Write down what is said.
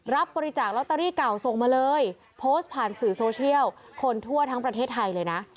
รับบริจาคลอตเตอรี่เก่าส่งมาเลยโพสต์ผ่านสื่อโซเชียลคนทั่วทั้งประเทศไทยเลยนะ